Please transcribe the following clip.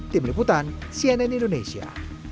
tim liputan cnn indonesia